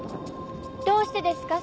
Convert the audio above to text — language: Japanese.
どうしてですか？